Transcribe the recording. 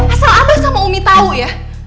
asal abah sama umi tau ya